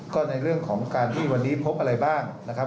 ก็ในเรื่องของการที่วันนี้พบอะไรบ้างนะครับ